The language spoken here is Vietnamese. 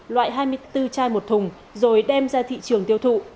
loại hai mươi bốn chai một thùng rồi đem ra thị trường tiêu thụ